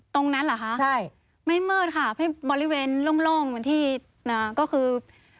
ตรงนั้นเหรอคะใช่ไม่มืดค่ะบริเวณโล่งเหมือนที่ก็คือ